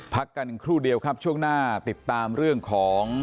พักกันครู่เดียวครับช่วงหน้าติดตามเรื่องของ